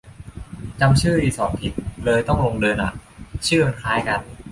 จำชื่อรีสอร์ทผิด เลยต้องลงเดินอ่ะ ชื่อมันคล้ายกัน